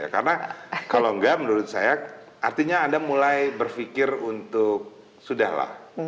karena kalau tidak menurut saya artinya anda mulai berpikir untuk sudah lah